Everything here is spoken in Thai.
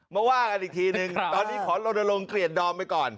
ว่ากันอีกทีนึงตอนนี้ขอลนลงเกลียดดอมไปก่อน